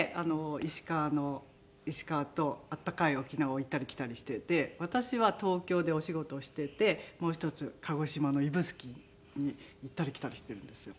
石川の石川と暖かい沖縄を行ったり来たりしてて私は東京でお仕事をしててもう１つ鹿児島の指宿に行ったり来たりしてるんですよ。